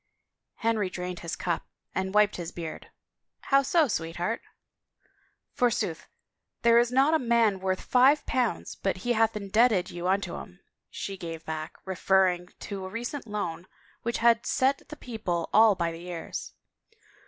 Henry drained his cup and wiped his beard. " How so, Sweetheart?" " Forsooth, there is not a man worth five potmds but he hath indebted you unto him," she gave back, referrii^ to a recent loan which had set the people all by the ears.